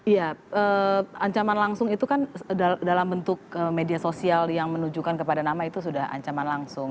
ya ancaman langsung itu kan dalam bentuk media sosial yang menunjukkan kepada nama itu sudah ancaman langsung